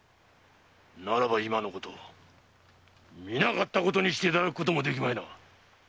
ならば今のこと見なかったことにしていただくこともできまいな。